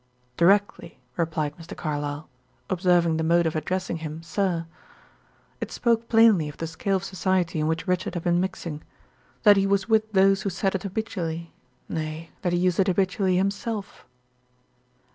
"Directly," replied Mr. Carlyle, observing the mode of addressing him "sir." It spoke plainly of the scale of society in which Richard had been mixing; that he was with those who said it habitually; nay, that he used it habitually himself.